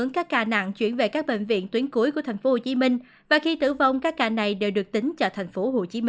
bốn các ca nặng chuyển về các bệnh viện tuyến cuối của tp hcm và khi tử vong các ca này đều được tính cho tp hcm